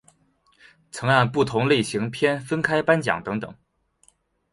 曾按不同类型片分开颁奖等等。